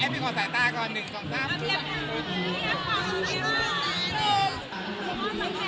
สวัสดีครับ